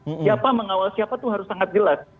siapa mengawal siapa itu harus sangat jelas